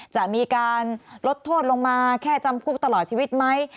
จะมีการลดโทษลงมาแค่จำคุกตลอดชีวิตไหม